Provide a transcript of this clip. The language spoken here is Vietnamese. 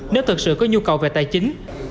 nếu thực sự có nhu cầu về tài chính